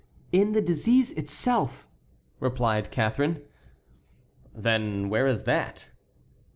"In the disease itself," replied Catharine. "Then where is that?"